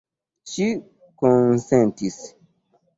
Ŝi konsentis.